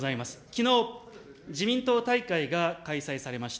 きのう、自民党大会が開催されました。